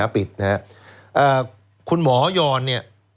ปิดแล้วคุณหมอยอร์น